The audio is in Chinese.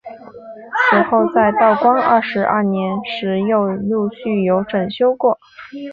此后在道光二十二年时又陆续有整修过。